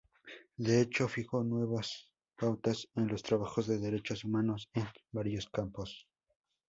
De hecho, fijó nuevas pautas en los trabajos de derechos humanos en varios campos.